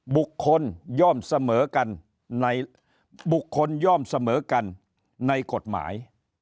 บุคคลย่อมเสมอกันในกฎหมาย